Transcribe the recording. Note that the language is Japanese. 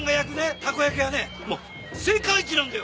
たこ焼きはねもう世界一なんだよ！